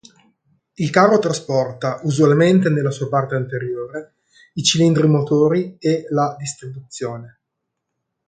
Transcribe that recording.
Il carro trasporta, usualmente nella parte anteriore, i cilindri motori e la distribuzione.